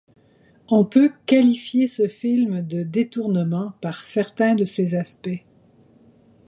On peut qualifier ce film de détournement par certains de ses aspects.